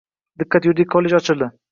Diqqat, yuridik kollej ochildi!